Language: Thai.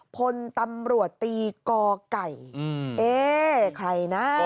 พลตำรวจตีกไก่เอ๊ใครนะ